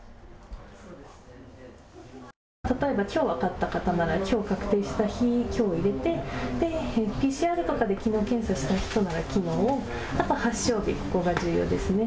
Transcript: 例えば、きょう分かった方ならきょう確定した日、きょうを入れて、ＰＣＲとかできのう検査した人ならきのう、あと発症日、ここが重要ですね。